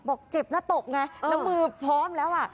บอกเจ็บหน้าตบไงแนน้มือพร้อมแล้ว